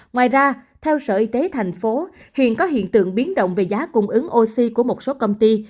ngoài ra theo sở y tế thành phố hiện có hiện tượng biến động về giá cung ứng oxy của một số công ty